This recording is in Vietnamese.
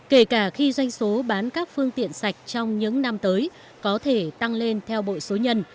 kể cả khi doanh số bán các phương tiện sạch trong những năm tới có thể tăng lên theo bộ số nhân